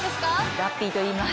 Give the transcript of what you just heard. ラッピーといいます。